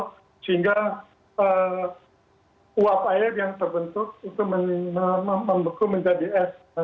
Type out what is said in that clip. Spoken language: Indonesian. sehingga uap air yang terbentuk itu membeku menjadi es